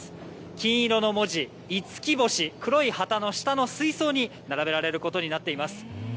金色の文字、いつき星、黒い旗の下の水槽に並べられることになっています。